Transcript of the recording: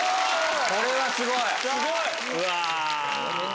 これはすごい！うわ。